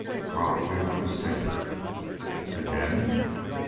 "Probably another stinker." "Again?"